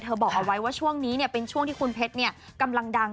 บอกเอาไว้ว่าช่วงนี้เป็นช่วงที่คุณเพชรกำลังดัง